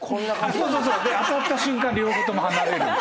当たった瞬間両方とも離れる。